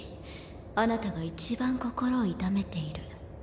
あなたがいちばん心を痛めている。